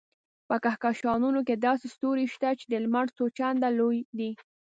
په کهکشانونو کې داسې ستوري شته چې د لمر څو چنده لوی دي.